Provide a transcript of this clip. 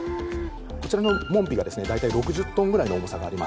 こちらの門扉がですね大体６０トンぐらいの重さがあります。